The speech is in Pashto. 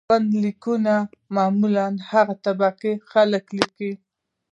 ژوند لیکونه معمولاً هغه طبقه خلک لیکي.